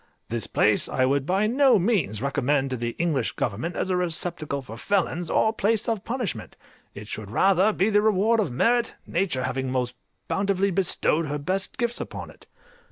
This place I would by no means recommend to the English government as a receptacle for felons, or place of punishment; it should rather be the reward of merit, nature having most bountifully bestowed her best gifts upon it.